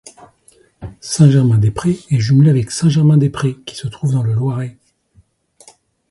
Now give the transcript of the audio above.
Saint-Germain-des-prés est jumelée avec Saint-Germain-des-Prés qui se trouve dans le Loiret.